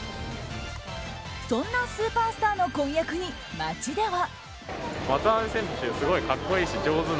そんなスーパースターの婚約に街では。